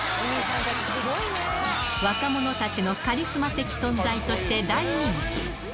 若者たちのカリスマ的存在として大人気。